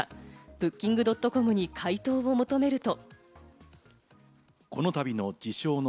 Ｂｏｏｋｉｎｇ．ｃｏｍに回答を求めると。